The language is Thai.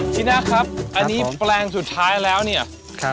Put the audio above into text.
ที่นะครับอันนี้แปลงสุดท้ายแล้วเนี่ย